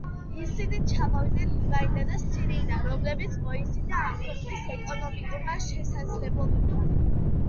ისინი ჩამოვიდნენ ლიბანიდან და სირიიდან, რომლებიც მოიზიდა ამ ქვეყნის ეკონომიკურმა შესაძლებლობებმა.